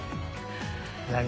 何？